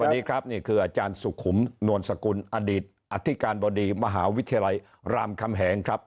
สวัสดีครับนี่คืออาจารย์สุขุมนวลสกุลอดีตอธิการบดีมหาวิทยาลัยรามคำแหงครับ